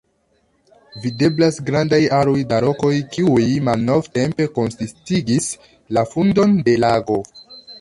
Videblas grandaj aroj da rokoj, kiuj malnovtempe konsistigis la fundon de lago.